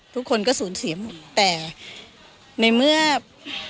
ทุกคนก็สูญเสียหมด